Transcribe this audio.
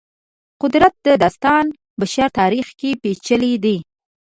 قدرت داستان بشر تاریخ کې پېچلي دی.